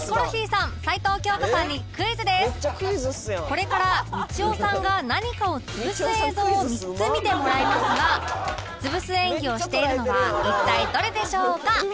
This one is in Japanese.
これからみちおさんが何かを潰す映像を３つ見てもらいますが潰す演技をしているのは一体どれでしょうか？